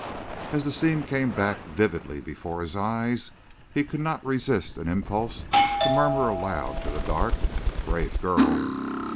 As the scene came back vividly before his eyes he could not resist an impulse to murmur aloud to the dark: "Brave girl!"